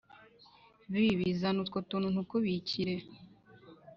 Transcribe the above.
Bibi zana utwo tuntu ntukubikire